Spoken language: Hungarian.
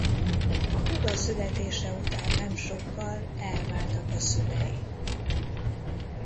Húga születése után nem sokkal elváltak a szülei.